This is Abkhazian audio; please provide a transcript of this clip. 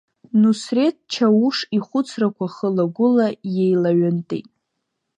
Нусреҭ Чауш ихәыцрақәа хыла-гәыла иеилаҩынтит.